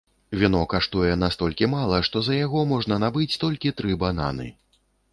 Віно каштуе настолькі мала, што за яго можна набыць толькі тры бананы.